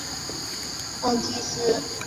香港英治时期法官也译为按察司。